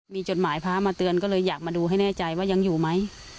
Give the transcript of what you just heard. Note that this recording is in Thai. มีจดหมายพระมาเตือนก็เลยอยากมาดูให้แน่ใจว่ายังอยู่ไหม